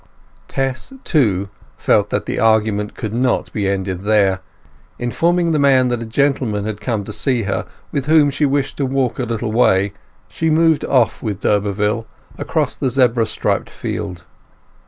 Tess, too, felt that the argument could not be ended there. Informing the man that a gentleman had come to see her, with whom she wished to walk a little way, she moved off with d'Urberville across the zebra striped field.